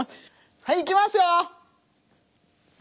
はいいきます！